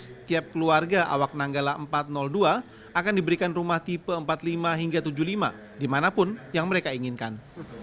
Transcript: setiap keluarga awak nanggala empat ratus dua akan diberikan rumah tipe empat puluh lima hingga tujuh puluh lima dimanapun yang mereka inginkan